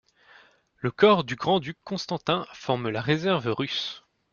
Le corps du grand-duc Constantin forme la réserve russe.